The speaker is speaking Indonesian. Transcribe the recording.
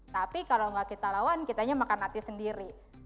tapi kalau nggak kita lawan kitanya makan hati sendiri